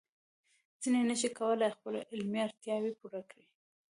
ځینې نشي کولای خپل علمي اړتیاوې پوره کړي.